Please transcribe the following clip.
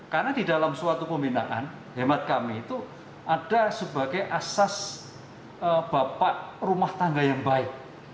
karena di dalam suatu pembinaan hemat kami itu ada sebagai asas bapak rumah tangga yang baik